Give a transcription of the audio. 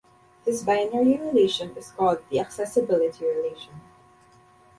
This binary relation is called the "accessibility relation".